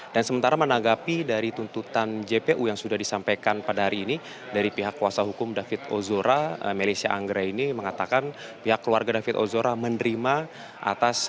dan sementara menanggapi dari tuntutan jpu yang sudah disampaikan pada hari ini dari pihak kuasa hukum david ozora malaysia anggera ini mengatakan pihak keluarga david ozora menerima atas tuntutan jpu